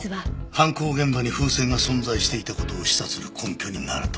犯行現場に風船が存在していた事を示唆する根拠になると？